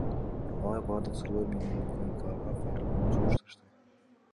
Алар баардык суроолор менен УКМКга кайрылууну сунушташты.